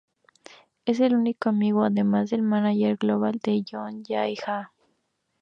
Él es el único amigo, además del mánager global de Yoon Jae Ha.